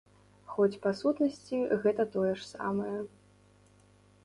Хоць, па сутнасці, гэта тое ж самае.